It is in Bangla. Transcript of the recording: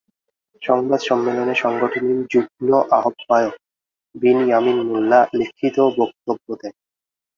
সংবাদ সম্মেলনে সংগঠনটির যুগ্ম আহ্বায়ক বিন ইয়ামিন মোল্লা লিখিত বক্তব্য দেন।